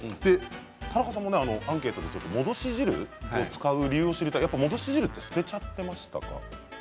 田中さんはアンケートで戻し汁を使う理由を知りたいと書いてましたが捨てていましたか。